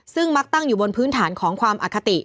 ซึ่งมักตั้งอยู่บนพื้นฐานของความอคติ